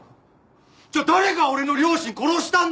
じゃあ誰が俺の両親殺したんだよ！？